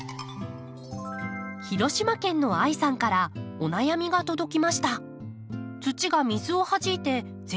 広島県のあいさんからお悩みが届きました。